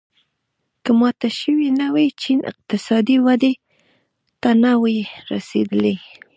که مات شوی نه وای چین اقتصادي ودې ته نه وای رسېدلی.